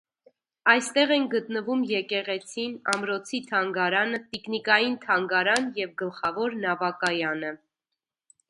Այստեղ են գտնվում եկեղեցին, ամրոցի թանգարանը, տիկնիկային թանգարան և գլխավոր նավակայանը։